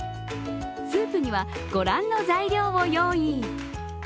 スープには御覧の材料を用意。